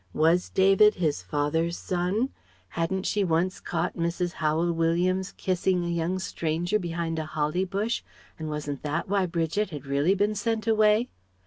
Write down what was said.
Was David his father's son? Hadn't she once caught Mrs. Howel Williams kissing a young stranger behind a holly bush and wasn't that why Bridget had really been sent away?